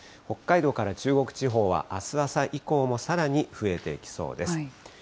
北海道から中国地方はあす朝以降も、さらに増えてきそうです。